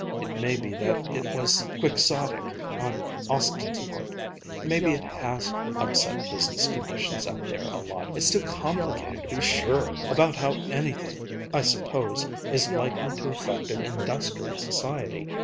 It may be that it was quixotic on Austin's part. Maybe it has upset business conditions out there a lot. It's too complicated to be sure about how anything, I suppose, is likely to affect an industrial society.